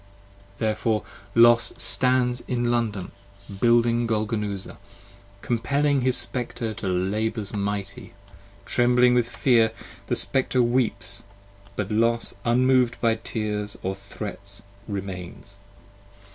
Therefore Los stands in London building Golgonooza, Compelling his Spectre to labours mighty; trembling in fear The Spectre weeps, but Los unmov'd by tears or threats remains.